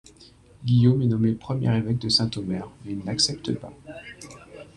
Guillaume est nommé premier évêque de Saint-Omer, mais il n'accepte pas.